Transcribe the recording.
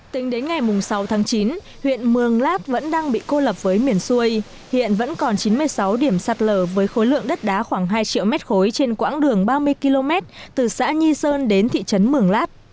tính đến ngày sáu tháng chín huyện mường lát vẫn đang bị cô lập với miền xuôi hiện vẫn còn chín mươi sáu điểm sạt lở với khối lượng đất đá khoảng hai triệu mét khối trên quãng đường ba mươi km từ xã nhi sơn đến thị trấn mường lát